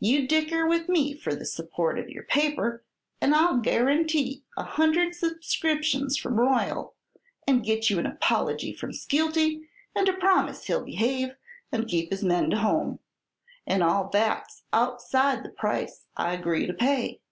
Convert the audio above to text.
You dicker with me for the support of your paper and I'll guarantee a hundred subscriptions from Royal and get you an apology from Skeelty and a promise he'll behave an' keep his men to home. And all that's outside the price I'll agree to pay."